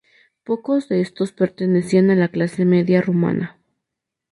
Pocos de estos pertenecían a la clase media rumana.